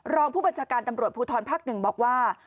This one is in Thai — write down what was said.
รองผู้บัญชาการตำรวจภูทรภาค๑บอกว่า